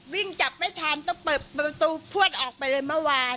วิ่งจับไม่ทันต้องเปิดประตูพวดออกไปเลยเมื่อวาน